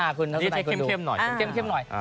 อันนี้ใกล้เข้มหน่อย